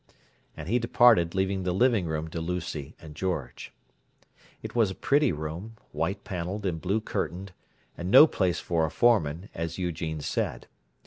And he departed, leaving the "living room" to Lucy and George. It was a pretty room, white panelled and blue curtained—and no place for a foreman, as Eugene said.